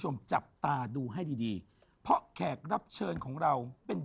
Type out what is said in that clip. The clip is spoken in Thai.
มูไนท์